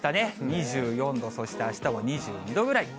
２４度、そしてあしたは２２度ぐらい。